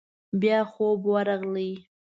بيا خوب ورغی.